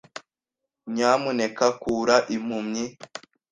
Nyamuneka kura impumyi.